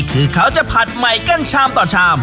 คือเขาจะผัดใหม่กันชามต่อชาม